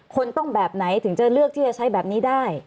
คนต้องแบบไหนถึงจะเลือกที่จะใช้แบบนี้ได้